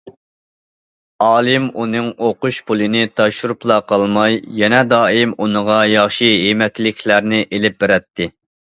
ئالىم ئۇنىڭ ئوقۇش پۇلىنى تاپشۇرۇپلا قالماي، يەنە دائىم ئۇنىڭغا ياخشى يېمەكلىكلەرنى ئېلىپ بېرەتتى.